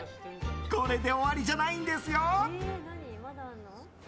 これで終わりじゃないんですよ！